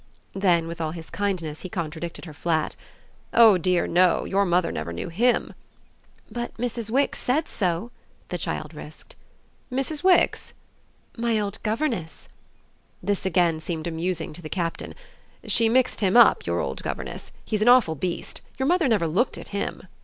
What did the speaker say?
Then, with all his kindness, he contradicted her flat. "Oh dear no; your mother never knew HIM." "But Mrs. Wix said so," the child risked. "Mrs. Wix?" "My old governess." This again seemed amusing to the Captain. "She mixed him up, your old governess. He's an awful beast. Your mother never looked at him."